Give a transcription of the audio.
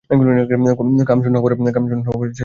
কামশূন্য হবার চেষ্টাটাই আগে কর না।